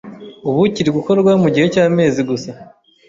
ubu kiri gukorwa mu gihe cy'amezi gusa.